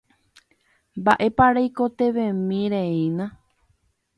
Mba'épa reikotevẽmireína